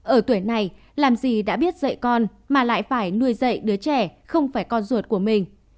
ở tuổi này làm gì đã biết dạy con mà lại phải nuôi dạy đứa trẻ không phải con ruột của mình